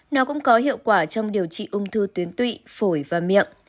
nào cũng có hiệu quả trong điều trị ung thư tuyến tụy phổi và miệng